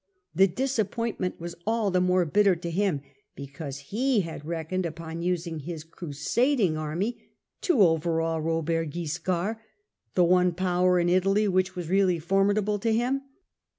The disappointment was all the more bitter to him because he had reckoned upon using his crusading army to overawe Robert Wiscard — the one power in Italy which was really formidable to him.